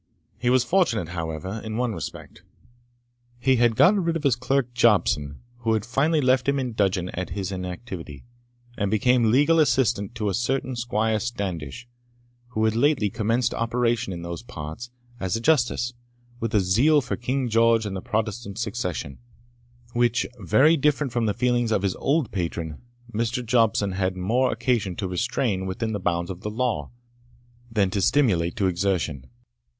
He was fortunate, however, in one respect; he had got rid of his clerk Jobson, who had finally left him in dudgeon at his inactivity, and become legal assistant to a certain Squire Standish, who had lately commenced operations in those parts as a justice, with a zeal for King George and the Protestant succession, which, very different from the feelings of his old patron, Mr. Jobson had more occasion to restrain within the bounds of the law, than to stimulate to exertion.